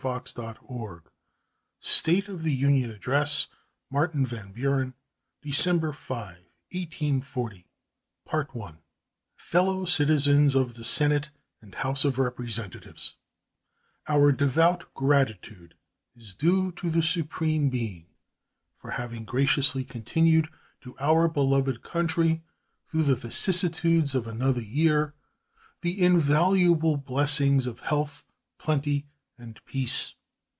VAN BUREN State of the Union Address Martin van Buren December 5, 1840 Fellow Citizens of the Senate and House of Representatives: Our devout gratitude is due to the Supreme Being for having graciously continued to our beloved country through the vicissitudes of another year the invaluable blessings of health, plenty, and peace.